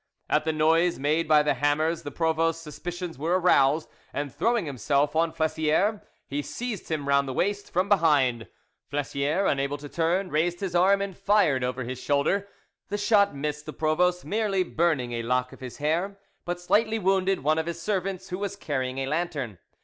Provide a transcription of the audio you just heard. At the noise made by the hammers the provost's suspicions were aroused, and throwing himself on Flessiere, he seized him round the waist from behind. Flessiere, unable to turn, raised his arm and fired over his shoulder. The shot missed the provost, merely burning a lock of his hair, but slightly wounded one of his servants, who was carrying a lantern.